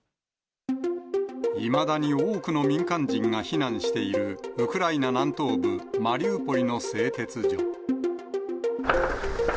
いまだに多くの民間人が避難しているウクライナ南東部、マリウポリの製鉄所。